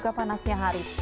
dan juga panasnya hari